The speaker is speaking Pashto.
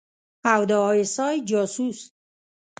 او د آى اس آى جاسوس.